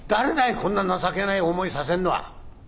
こんな情けない思いさせるのは。